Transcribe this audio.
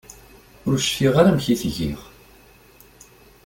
Ur cfiɣ ara amek i t-giɣ.